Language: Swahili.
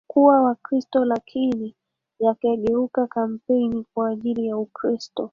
kuwa Wakristo Lakini yakageuka kampeni kwa ajili ya Ukristo